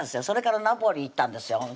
それからナポリ行ったんですよ